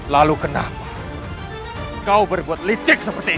lalu kenapa kau berbuat licik seperti ini